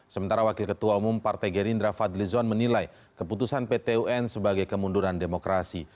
sementara wakil ketua umum partai gerindra fadlizon menilai keputusan pt un sebagai kemunduran demokrasi